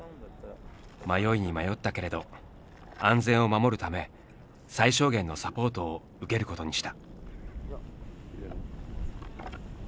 迷いに迷ったけれど安全を守るため最小限のサポートを受けることにした。